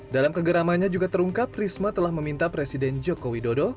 dalam kegeramannya juga terungkap risma telah meminta presiden joko widodo